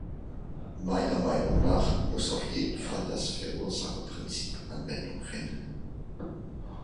Meiner Meinung nach muss auf jeden Fall das Verursacherprinzip Anwendung finden.